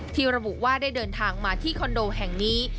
ระบุว่าได้เดินทางมาที่คอนโดแห่งนี้